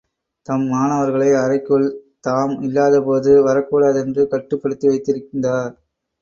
தம் மாணவர்களையும் அறைக்குள் தாம் இல்லாதபோது வரக்கூடாதென்று கட்டுப்படுத்தி வைத்திருந்தார்.